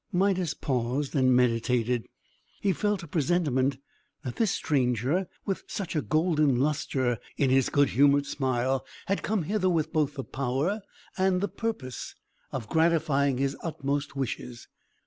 Midas paused and meditated. He felt a presentiment that this stranger, with such a golden lustre in his good humoured smile, had come hither with both the power and the purpose of gratifying his utmost wishes.